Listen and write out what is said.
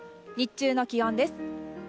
日中の気温です。